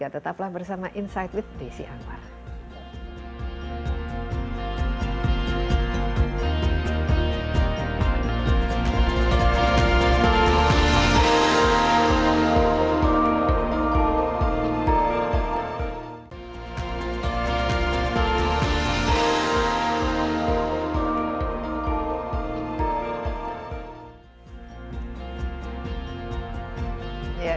tetaplah bersama insight with desi angwar